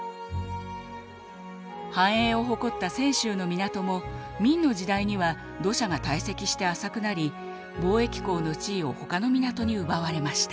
繁栄を誇った泉州の港も明の時代には土砂が堆積して浅くなり貿易港の地位をほかの港に奪われました。